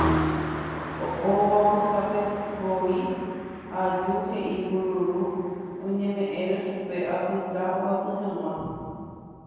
Aguapyhápevoi aju he'i kururu oñeme'ẽrõ chupe apyka oguapy hag̃ua